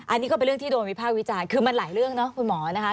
อันนี้ก็เป็นเรื่องที่โดนวิภาควิจารณ์คือมันหลายเรื่องเนาะคุณหมอนะคะ